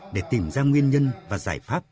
để tìm ra nguyên nhân và giải pháp